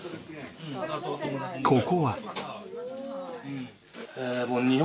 ここは